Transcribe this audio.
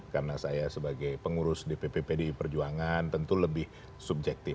karena saya sebagai pengurus dpp pdp perjuangan tentu lebih subjektif